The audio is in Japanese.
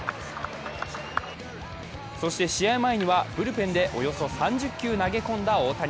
そして試合前にはブルペンでおよそ３０球投げ込んだ大谷。